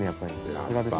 さすがですね。